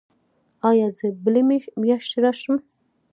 ایا زه بلې میاشتې راشم؟